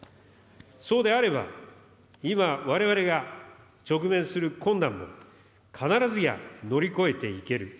そうであれば、今、われわれが直面する困難も、必ずや乗り越えていける。